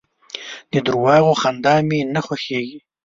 د درواغو خندا مي نه خوښېږي .